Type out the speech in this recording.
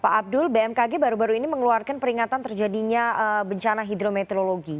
pak abdul bmkg baru baru ini mengeluarkan peringatan terjadinya bencana hidrometeorologi